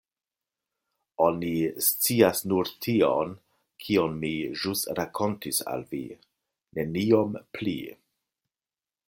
Oni scias nur tion, kion mi ĵus rakontis al vi, neniom pli.